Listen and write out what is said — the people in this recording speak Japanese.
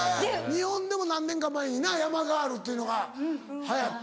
日本でも何年か前にな山ガールっていうのが流行った。